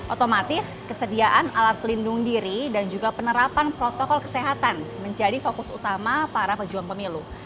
otomatis kesediaan alat pelindung diri dan juga penerapan protokol kesehatan menjadi fokus utama para pejuang pemilu